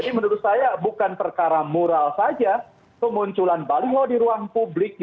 jadi menurut saya bukan perkara moral saja kemunculan balik di ruang publik